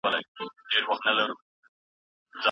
د اقتصاد او ټولنپوهني لپاره پوله ټاکل ګران کار دی.